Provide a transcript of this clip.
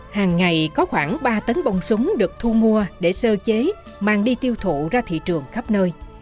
hàng ngày có khoảng ba tấn bông súng được thu mua để sơ chế mang đi tiêu thụ ra thị trường khắp nơi